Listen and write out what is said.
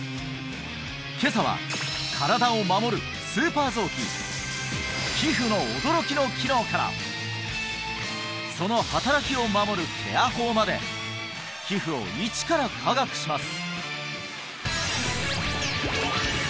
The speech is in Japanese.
今朝は身体を守るスーパー臓器皮膚の驚きの機能からその働きを守るケア法まで皮膚を一から科学します